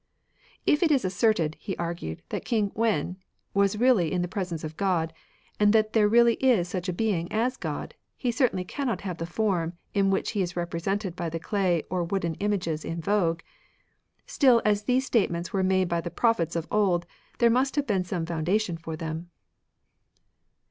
"If it is asserted," he argued, " that King Wen was really in the presence of God, and that there reaUy is such a Being as God, He certainly cannot have the form in which He is represented by the clay or wooden images in vogue. StiU, as these statements were made by the Prophets of old, there must have been some foundation for them."